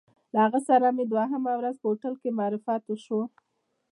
له هغه سره مې په دویمه ورځ هوټل کې معرفت وشو.